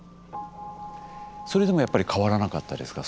それでもやっぱり変わらなかったですか？